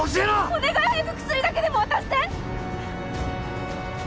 お願い早く薬だけでも渡して！